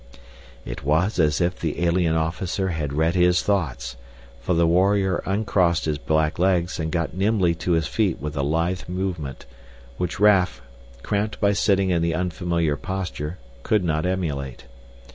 It was as if the alien officer had read his thoughts, for the warrior uncrossed his black legs and got nimbly to his feet with a lithe movement, which Raf, cramped by sitting in the unfamiliar posture, could not emulate.